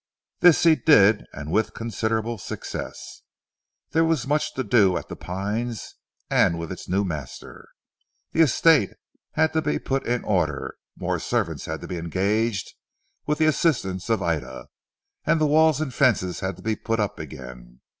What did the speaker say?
This he did and with considerable success. There was much to do at "The Pines" and with its new master. The estate had to be put in order, more servants had to be engaged with the assistance of Ida, and the walls and fences had to be put up again.